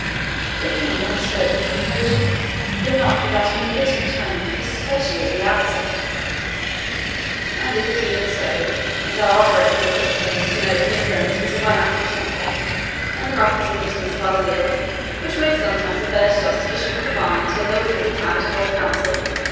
The King then spoke with composure, though not without an embittered tone, especially at the outset: "And is it even so? And are our brethren at such pains to note the infirmities of our natural temper, and the rough precipitance of our zeal, which may sometimes have urged us to issue commands when there was little time to hold council?